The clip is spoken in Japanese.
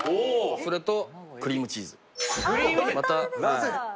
それとクリームチーズまたなぜ？